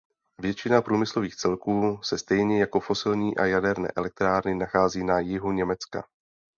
Většina průmyslových celků se stejně jako fosilní a jaderné elektrárny nachází na jihu Německa.